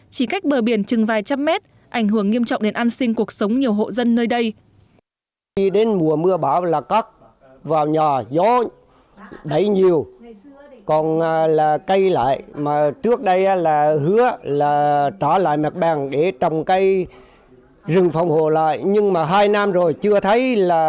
chỉ cách bờ biển chừng vài trăm mét ảnh hưởng nghiêm trọng đến an sinh cuộc sống nhiều hộ dân nơi đây